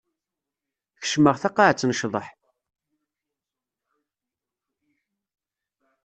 Kecmeɣ taqaɛet n ccḍeḥ.